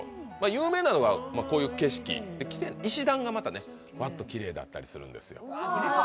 有名なのがこういう景色、石段がきれいだったりするんですよ。